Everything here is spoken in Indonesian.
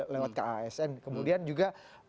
lewat kasn kemudian juga